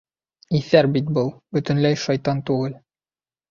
— Иҫәр бит был, бөтөнләй шайтан түгел.